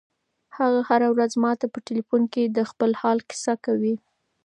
هغه هره ورځ ماته په ټیلیفون کې د خپل حال کیسه کوي.